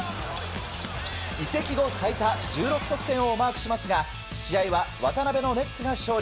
移籍後最多１６得点をマークしますが試合は渡邊のネッツが勝利。